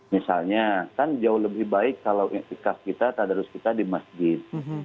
misalnya kan jauh lebih baik kalau ikhtikaf kita tadarus kita di masjid